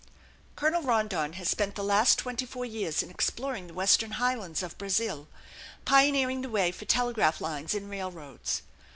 Colonel Rondon has spent the last twenty four years in exploring the western highlands of Brazil, pioneering the way for telegraph lines and railroads.